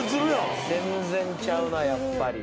全然ちゃうなやっぱり。